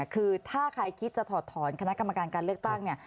คือถ้าใครคิดจะถอดถอนคณะกรรมการการเลือกตั้งเนี่ย